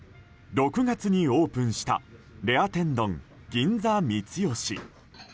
６月にオープンしたレア天丼銀座三よし。